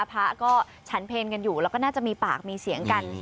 พระก็ฉันเพลกันอยู่แล้วก็น่าจะมีปากมีเสียงกัน